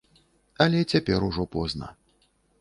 Але цяпер ужо позна.